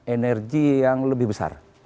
energi yang lebih besar